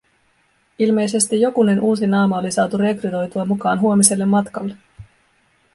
Ilmeisesti jokunen uusi naama oli saatu rekrytoitua mukaan huomiselle matkalle.